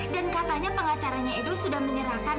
dan katanya pengacaranya edo sudah menyerahkan